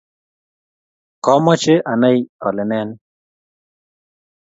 kamoche anai ale nee ni.